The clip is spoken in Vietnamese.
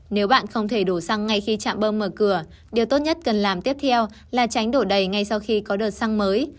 nếu bạn không thể đổ xăng ngay khi chạm bơm mở cửa điều tốt nhất cần làm tiếp theo là tránh đổ đầy ngay sau khi có đợt xăng mới